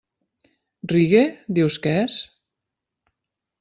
Reggae, dius que és?